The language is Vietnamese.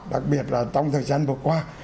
đặc biệt là trong thời gian vừa qua